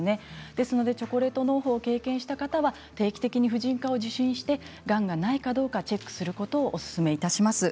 ですのでチョコレートのう胞を経験した方は定期的に婦人科を受診してがんが、ないかどうかチェックすることをおすすめいたします。